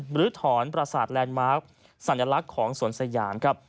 หรือถอนประสาทแลนด์มาร์คสัญลักษณ์ของสวนสยามครับ